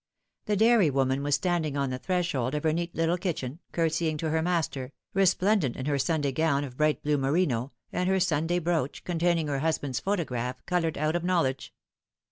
The dairy woman was standing on the threshold of her neat little kitchen, curtsying to her master, resplendent in her Sunday gown of bright blue merino, and her Sunday brooch, containing her husband's photograph, coloured out of knowledge.